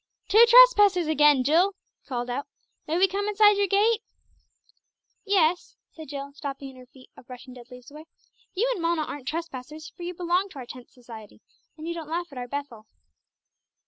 "Two trespassers again, Jill!" he called out. "May we come inside your gate?" "Yes," said Jill, stopping in her feat of brushing dead leaves away; "you and Mona aren't trespassers, for you belong to our Tenth Society, and you don't laugh at our 'Bethel.'"